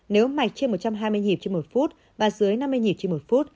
nếu mạch trên một trăm hai mươi nhịp trên một phút và dưới năm mươi nhịp trên một phút